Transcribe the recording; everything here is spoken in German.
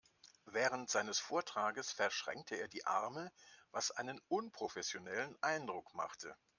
Während seines Vortrages verschränkte er die Arme, was einen unprofessionellen Eindruck machte.